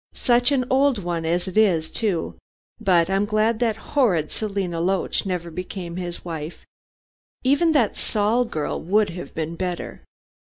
Such an old one as it is, too. But I'm glad that horrid Selina Loach never became his wife. Even that Saul girl would have been better."